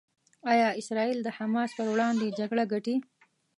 ایا اسرائیل د حماس پر وړاندې جګړه ګټي؟